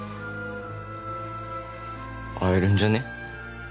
会えるんじゃね？